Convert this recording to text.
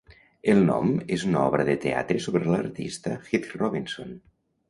El nom és una obra de teatre sobre l'artista Heath Robinson.